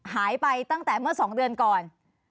หายไปตั้งแต่เมื่อ๒เดือนก่อน